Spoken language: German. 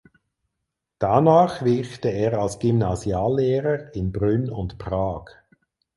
Danach wirkte er als Gymnasiallehrer in Brünn und Prag.